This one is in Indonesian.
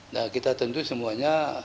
nah kita tentu semuanya